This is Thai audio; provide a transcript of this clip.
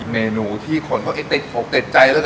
มีเมนูที่คนพกเตะใจแหละ